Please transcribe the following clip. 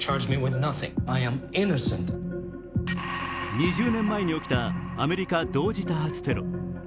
２０年前に起きたアメリカ・同時多発テロ。